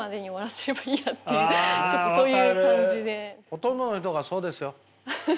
ほとんどの人がそうですよ。